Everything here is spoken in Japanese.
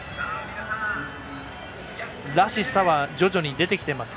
らしさは徐々に出てきてますか？